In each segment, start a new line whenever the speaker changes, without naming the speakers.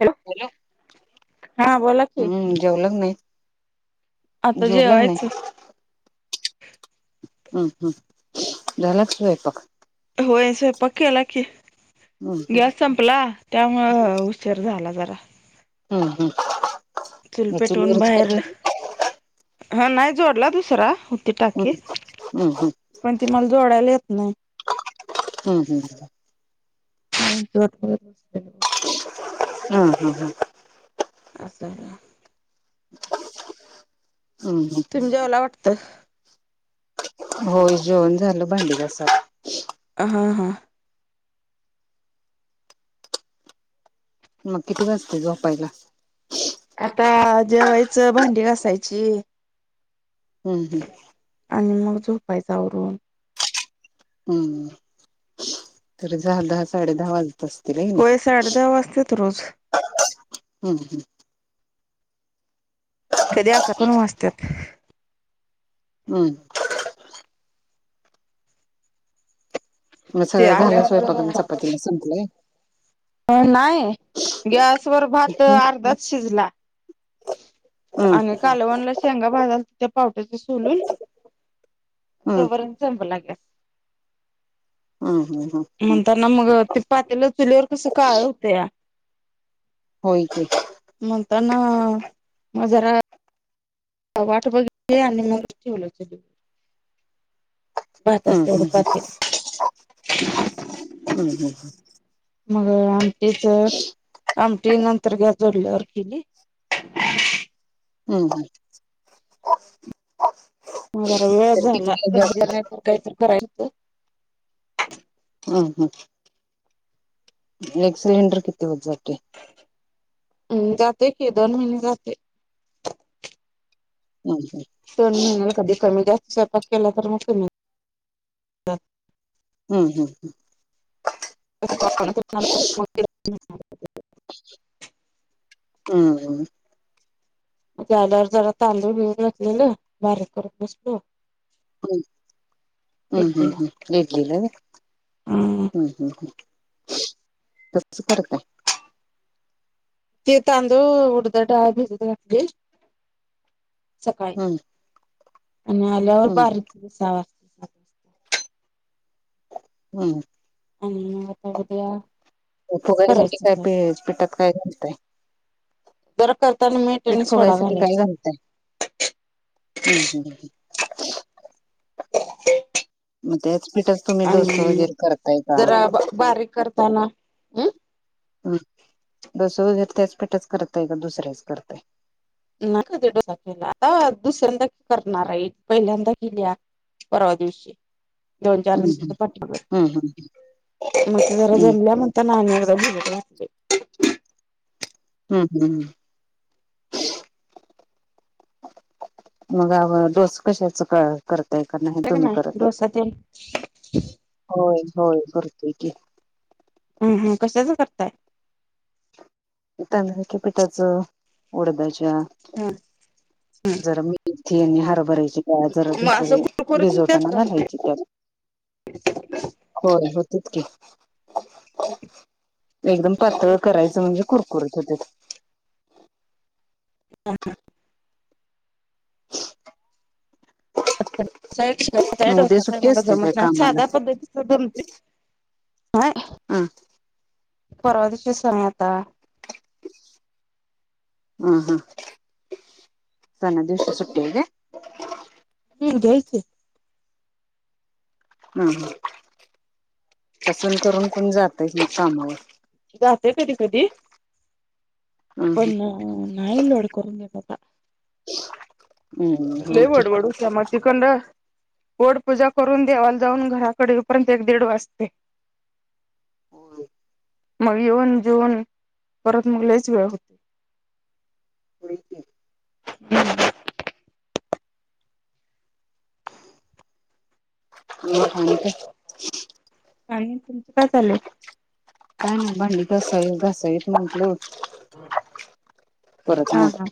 Hello
hello
हा बोला की
हम्म जेवलाक नाई?
आता जेवायचं.
हम्म हम्म झालाका स्वैपाक?
होय सैपाक केला की
हम्म
गॅस संपला त्यामुळं उशीर झाला जर् रा.
हम्म हम्म.
चुलपेटवून
चुलीवरच
बाहेर
करताय
हां नाय जोडला दुसरा. ती टाकी
हम्म हम्म
पनती मला जोडायला येत नाई.
हम्म हम्.
[unintelligible]
हम्म हम्म हम्.
असं.
हं हं.
त्
होय जेवन झालं भांडी घासायल
हां हां.
मग किती वाजतय झोपायला?
आता जेवायचं भांडी घासायची.
हम्म हम्म.
आणि मग झोपायच आवरून.
हम्म तरी झालं आज साडे दहा वाज तस्तील हइ किनइ
होय साडे दहा वाजतात रोज
हम्म हम्.
कदी अकरापन वाजत्यात.
हम्. म
ते
सगळा झाला
आलं
स्वयंपाक अन चपातीला संपलंय.
अं नाय गॅसवर भातअ
हम्म
अर्धाच शिजला.
हम्म
आनी कालवनला शेंगा भाजालतो तेव् पावट्याच सोलून
हम्म
तवर अन संपला गॅस
आं हां हां.
नामग ते पातेल चुलीवर कसं काळ हुतंया.
होय की
म्हंतानाआ. म जरा वाट बघितली आनी मग ठेवलो चुलीवर. भाताच
हम्म
तेवढं
हम्म हम्
पातेल
हम्म हम्म हम्म.
मगअ आमटीच आमटी नं तर गॅस जोडल्यावर केली.
हम्म हम्.
म जरा वेळच झाला [unintelligible] तर कायतर कायतरी करायचं.
हां हां. एक सिलिंडर किती दिवस जातय.
हम् जातय की दोन महिने जातंय.
हम्म
दोन महिन्याला कधी कमीजास्त स्वयपाक केला तर मग कमी.
हम्म हम्म.
[unintelligible]
हं हं.
मते आल्यावर जरा तांदूळ भिजत घातलेल बारीक करत बसलो.
हम्म हम्म हम्म
इडलीला
हम्म इड्लीला वय.
हम्म
हम् हम् हं. कस्स करतात?
ते तांदूळ उडदाची डाळ भिजत घातली. सकाळी
हम्म
आणि आल्यावर
हम्म
बारीक सहा वाजता.
हम
आणि आता उद्या.
फुगायसाठी काय
करायचं
पिठात काय घालतय.
बर करताना मीठ आणि
पीठ
सोडा
फुगायसाठी काय
घालायचा.
घालताय हम्म हम्
[unintelligible]
म त्यात.
आणि जरा बारीक करताना हम.
हम दोस वर त्याच पेठाच करताय का दुसऱ्याच करताय.
नाही कधी दोसा केला आता दुसऱ्यांदा करणार आहे, पहिल्यांदा केल्या परवा दिवशी दोन चार
हम्म
दिवसाच पाठीमाग.
हम्म हम्म
मग जरा
हम्म
जमला म्हणताना आणि एकदा भिजत घातल य.
हम्म हम्म हम. मग आव डोसं कशाच क करतय. करताय का का [unintelligible] नाही तुम्ही करत होय होय करतोय की.
हम हम कशाच करताय.
तांदळाच्या पिठाचं जरा उडिद्याच्या
हा
जरा मेथी. आणि हरभऱ्याची डाळ जरा
मग असं
भिजत
कुरकुरीत होत्यात
भिजवताना
का
घालायची त्या. होय होत्यात की. एकदम पातळ करायचं म्हणजे कुरकुरीत होतय.
हा हा. अ
मग उद्या
डोसा [unintelligible] काय
सुट्टी
मला
असते काय
जमत नाही
कामाला
साध्या पद्धतीचा जमतोय [inaudible]
हा.
परवा दिवशी सण आता.
हा हा सणादिवशी सुट्टी आहे काय.
[inaudible]
हा हा कसून करून कोण जातंय की, नाही कामावर.
जाते कधी कधी
हम्
पण नाही लोड करून घेत आता.
हम्म होय
लय
की
वडवड होत्या मग तिकडं. गोड पूजा करून देवाला जाऊन घराकडे उपर्यंत एक दीड वाजते.
[unintelligible]
मग येऊन जेवून परत मग लयचं वेळ होते
पुडीची ह हा
आणि तुमचं काय चालंय
ना भांडी घासावी घासावीम्हटलो परत
हा
मग
हा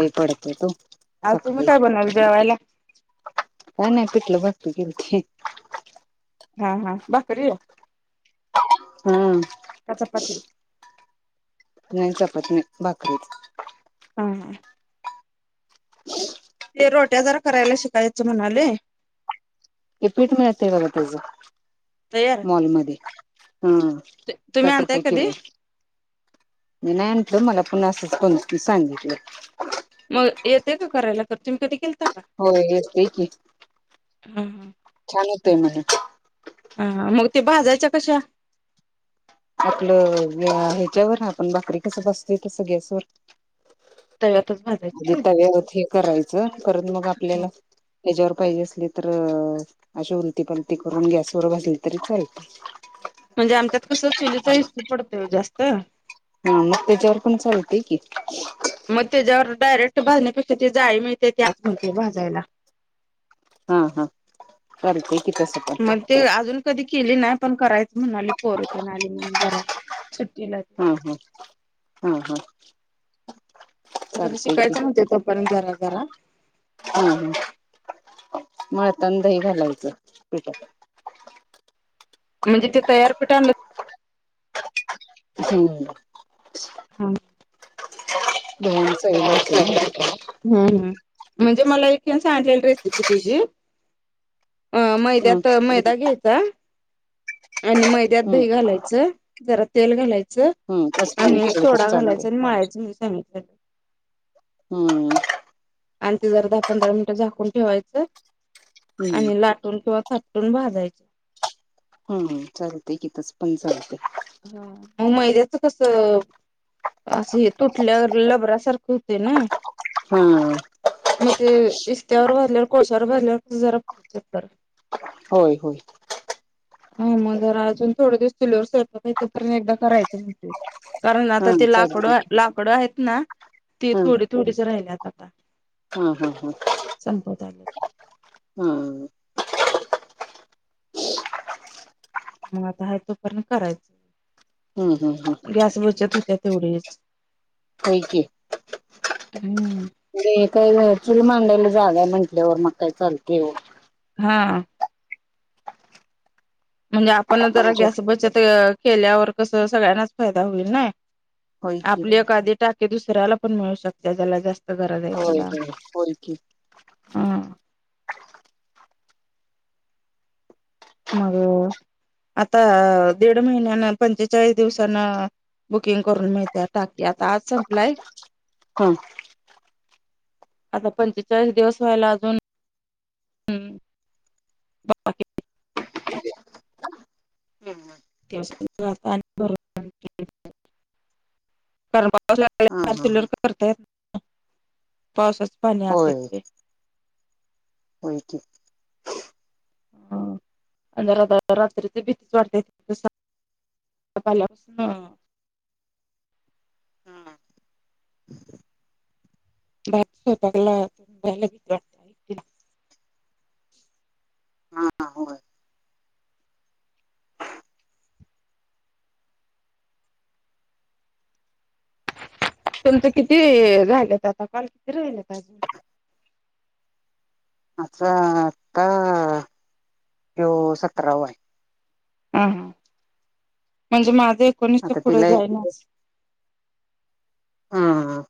लय पडत गं
आज तुम्ही
सकाळी
काय बनवलं जेवायला
काय नाही पिठलं भाकरी गेलती
हा हा भाकरी
हा
का चपाती
नाही चपाती नाही भाकरीच
हा
ह
ते रोट्या जरा करायला शिकायचं म्हणालोय
ते पीट मिळतय बघा त्याच
तयार
मॉलमध्ये हा
तुम्ही
साठ
आणताय
रुपये किलो
कधी
आहे मी नाही आनंद मला आपण असं [unintelligible] सांगितलं
मग येते का करायला तुम्ही कधीे केलता का
हो येतय की
हम हम
म्हत आहे म्हण
अा मग ते भाजायच्या कश्या
आपलं ह्याच्यावर आपण भाकरी कस भाजतोय तस गॅसवर
तव्यातच भाजायच्या
म्हणजे
होय.
तव्यावर हे करायचं करण मग
हो.
आपल्याला त्याच्यावर पाहिजे असली तर अशी उलती पालती करून गॅसवर भसली तरी चालते
म्हणजे आमच्यात कसं चुलीचा विस्तू पडतोय ओ जास्त
हा मग त्याच्यावर पण चालतेय की
मग त्याच्यावर डायरेक्ट भाजण्यापेक्षा ती जाळी मिळते त्याच आणतो भाजायला
हा हा चालतंय
मग ते अजून कधी केले नाही पण करायच म्हणाले पोर तेन आली की जरा सुट्टीला
हम्म हम्म हम्म हम्
जरा शिकायचं म्हनतोय तोपर्यंत जरा जरा
माळतान दही घालायचं पिठात
म्हणजे ते तयार पीठ आणलं
हम्म
[unintelligible]
धुवून चवीला होते ना
हम् हम् म्हणजे मला एकजण सांगितलेल रेसिपी तेची अ
हम्म
मैद्यात मैदा घ्यायचा आणि मैद्यात
हम्म
दही घालायचं जरा तेल घालायचं
हम्म तसं पण
आणि
केलं तर
सोडा
चालते
घालायचं आणि मळायचं म्हणून सांगित
हम्म
आणि ते जर दहा पंधरा मिनिटं झाकून ठेवायचं
हम्म
आणि लाटून [unintelligible] थापटून भाजायचे
हम चालते की तसं पण चालते
हा मग मैद्याचं कसं असं हे तुटल्यावर लबरासारखं हुतय नाही
हम्म
मग ते इस्त्यावर भाजल्यायवर कोळश्यावर भाजल्यावर कस जरा [unintelligible]
होय होय
हा मग जरा अजून थोडे दिवस चुलीवर स्वयपाक तोपर्यंत एकदा करायचं म्हणते कारण आता
हा
ते
चालते
लाकडं
की
लाकडं आहेत ना ती थोडी थोडीच राहिल्यात आता
हम् हम् हम्
संपत आल्यात
हम्
मग आता हाय तो पर्यंत
हम्म हम्म
करायच गॅस बचत होत्या तेवढंच
होय की
हम्म
[unintelligible] चुल मांडायला जागा आहे म्हंटल्यावर मग काय चालते ओ
हा म्हणजे आपण जरा
आमच्या
गॅस बचत केल्यावर कसं सगळ्यांनाच फायदा होईल नाही
होय की
आपले एखादीे टाकी दुसऱ्याला पण मिळू शकत्या ज्याला जास्त गरज आहे
होय
त्याला
होय होय की
हा मग आता दीड महिन्यान पंचेचाळीस दिवसान बुकिंग करून मिळते टाकी आता आज संपलाय
हो
आता पंचेचाळीस दिवस व्हायला अजून हम् बा [unintelligible]
हा
[unintelligible] कारण पाऊस
हा
लागल्यावर चुलीवर
हा
करता येत नाही, पावसाच पाणी आत
होय
येतय.
होय की
ह [unintelligible] आणि रात्रीची भीतीच वाढतेे [unintelligible] बाप [unintelligible] बित वातेती ना
हा होय
तुमचं किती झालेत आता कल किती राहिल अजून,
आजचा आता तो सतरावाआहे.
हा, ह म्हणजे माझं एकोणीस च्या
आता
पुढे
तिला
जाइनाच. [inaudible]
ह, ह.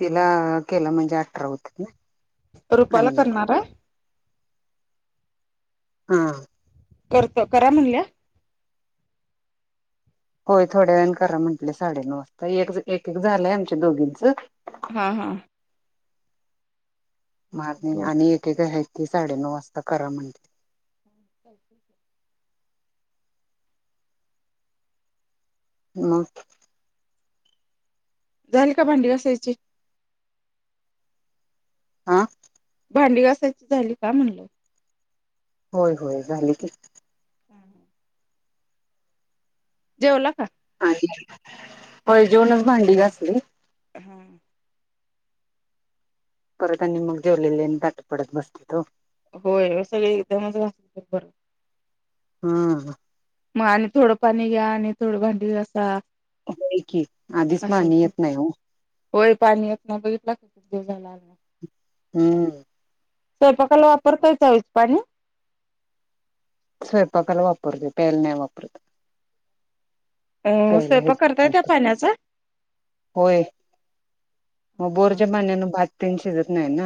तिला केलं म्हणजे अठरा होत ना
रुपाला
आणि एक
करणार हाय?
हा.
करतो. करा म्हणल्या?
होय थोड्या वेण करा म्हंटले साडेनऊ वाजता एक, एक-एक झालंय आमच्या दोघींचं.
हा, हा.
मागणी
बर.
आणि एकेक हायती साडेनऊ वाजता करा म्हण
[unintelligible]
मग
झाली का भांडी घासायची?
आ
भांडी घासायची झाली का म्हणल?
होय, होय झाले की.
हम् हम् जेवला का?
होय जेवूनच भांडी घासली.
हा.
परत आणि मग जेवलेली आणि ताट पडत बसत्यात.
होय सगळे एकदमच बसलेली बरं.
ह.
मग आणि थोडं पाणी घ्या आणि थोडं भांडी घासा.
होय की आधीच
असं
पाणी
होतय
येत नाही हो
[inaudible] होय पाणी ह्यांना बघितल उशीरा झाला आता.
हम्म
स्वयंपाकाला वापरताय चावीचं पाणी? [inaudible]
स्वयंपाकाला वापरते प्यायला नाही वापरत
अ
प्यायला
स्वयंपाक
याच्यातून
करताय त्या
आणतोय
पाण्याचा?
[inaudible] होय. म
हा हा
बोरच्या पाण्यान भात तेन शिजत नाही ना.